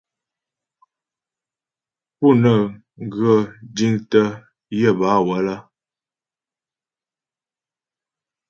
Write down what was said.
Pú nə́ŋ ghə jiŋtə́ yə bâ wələ.